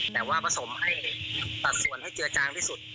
แต่ว่าผสมให้ตัดส่วนให้เจือจางที่สุด